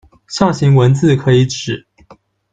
象形文字可以指：